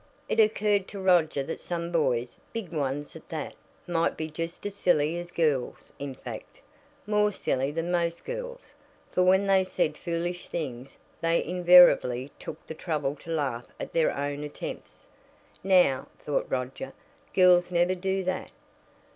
It occurred to Roger that some boys, big ones at that, might be just as silly as girls in fact, more silly than most girls, for when they said foolish things they invariably took the trouble to laugh at their own attempts. Now, thought Roger, girls never do that.